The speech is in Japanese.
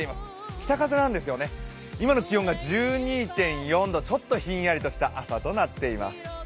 北風なんですよね、今の気温が１２．４度ちょっとひんやりとした朝となっています。